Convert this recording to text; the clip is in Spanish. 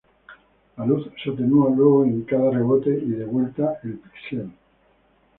La luz se atenúa luego en cada rebote y de vuelta el píxel.